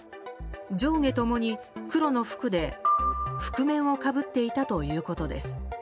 上下共に黒の服で、覆面をかぶっていたということです。